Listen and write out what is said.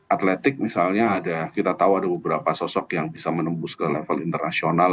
atletik misalnya kita tahu ada beberapa sosok yang bisa menembus ke level internasional